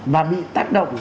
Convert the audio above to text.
và bị tác động